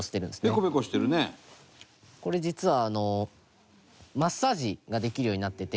隆貴君：これ、実はマッサージができるようになってて。